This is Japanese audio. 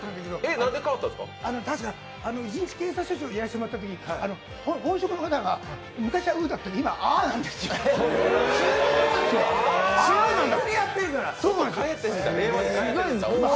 確か一日警察署長やったときに本職の方が、昔はウだったけど、今はアなんですよねって。